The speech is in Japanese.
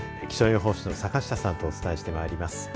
気象予報士の坂下さんとお伝えしてまいります。